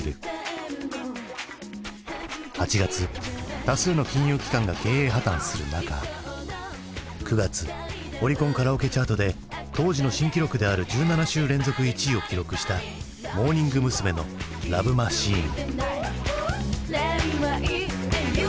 ８月多数の金融機関が経営破綻する中９月オリコンカラオケチャートで当時の新記録である１７週連続１位を記録したモーニング娘。の「ＬＯＶＥマシーン」。